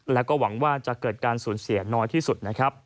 และก็หวังว่าจะเกิดการสูญเสียน้อยที่สุดนะครับ